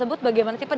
sebut bagaimana sih pak